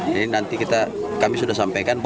nanti kami sudah sampaikan